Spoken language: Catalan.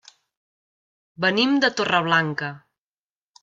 Venim de Torreblanca.